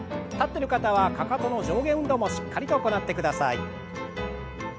立ってる方はかかとの上下運動もしっかりと行ってください。